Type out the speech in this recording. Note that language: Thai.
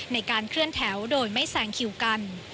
ในการเคลื่อนแถวโดยไม่แซงคิวกัน